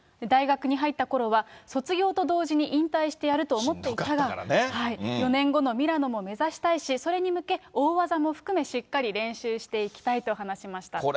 大学に入ったころは、卒業と同時に引退してやると思っていたが、４年後のミラノも目指したいし、それに向け、大技も含め、しっかり練習していきたいと話しました。